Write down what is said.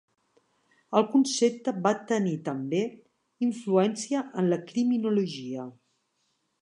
El concepte va tenir també, influència en la criminologia.